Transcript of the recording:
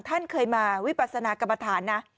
ท่านเคยมาวิปัสนากรรมฐานนะ